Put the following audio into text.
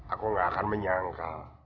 aku gak akan menyangka